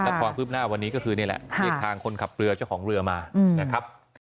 ความคืบหน้าวันนี้ก็คือนี่แหละเรียกทางคนขับเรือเจ้าของเรือมานะครับ